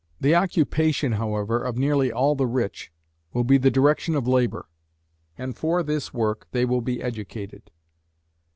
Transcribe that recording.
The occupation, however, of nearly all the rich, will be the direction of labour, and for this work they will be educated.